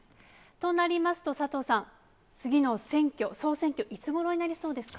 となりますと、佐藤さん、次の選挙、総選挙、いつごろになりそうですか。